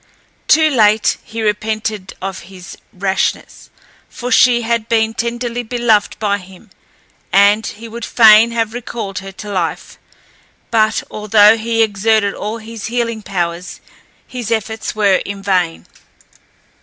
Too late he repented of his rashness, for she had been tenderly beloved by him, and he would fain have recalled her to life; but, although he exerted all his healing powers, his efforts were in vain.